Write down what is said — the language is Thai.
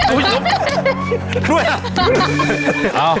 ทรวยอ่ะ